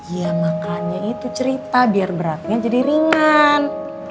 ya makannya itu cerita biar beratnya jadi ringan